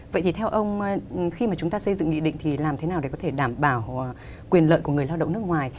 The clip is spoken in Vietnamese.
vậy thì theo ông khi mà chúng ta xây dựng nghị định thì làm thế nào để có thể đảm bảo quyền lợi của người lao động nước ngoài